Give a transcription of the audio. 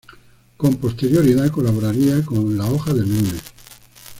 Con posterioridad colaboraría con la "Hoja del Lunes".